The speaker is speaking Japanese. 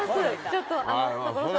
ちょっと所さん。